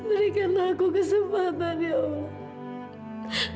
berikan aku kesempatan ya allah